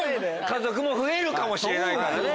家族も増えるかもしれないからね。